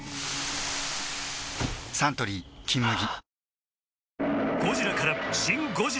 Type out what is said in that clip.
サントリー「金麦」